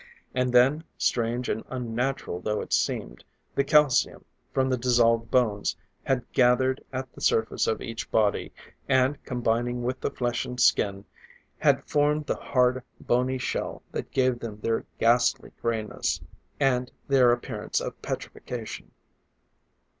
And then, strange and unnatural though it seemed, the calcium from the dissolved bones had gathered at the surface of each body, and combining with the flesh and skin, had formed the hard, bony shell that gave them their ghastly grayness, and their appearance of petrification.